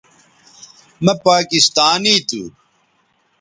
مہ پاکستانی تھو